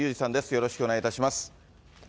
よろしくお願いします。